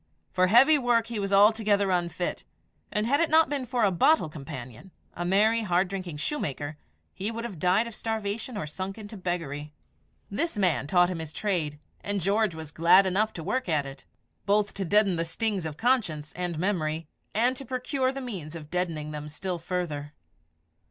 For heavy work he was altogether unfit; and had it not been for a bottle companion a merry, hard drinking shoemaker he would have died of starvation or sunk into beggary. This man taught him his trade, and George was glad enough to work at it, both to deaden the stings of conscience and memory, and to procure the means of deadening them still further.